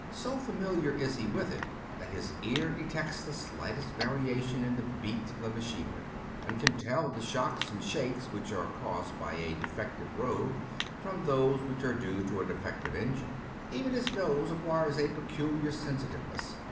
So familiar is he with it that his ear detects the slightest variation in the beats of the machinery, and can tell the shocks and shakes which are caused by a defective road from those which are due to a defective engine. Even his nose acquires a peculiar sensitiveness.